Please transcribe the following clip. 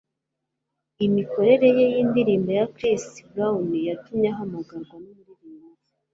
Imikorere ye yindirimbo ya Chris Brown yatumye ahamagarwa numuririmbyi.